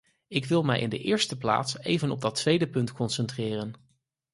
Ik wil mij in de eerste plaats even op dat tweede punt concentreren.